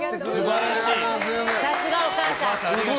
さすが、お母さん！